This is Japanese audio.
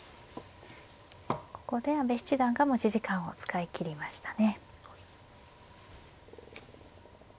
ここで阿部七段が持ち時間を使い切りましたね。